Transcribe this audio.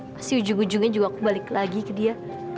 pasti ujung ujungnya juga aku balik lagi ke dia